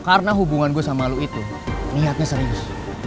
karena hubungan gue sama lo itu niatnya serius